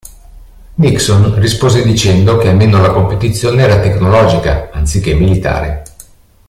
Nixon rispose dicendo che almeno la competizione era tecnologica, anziché militare.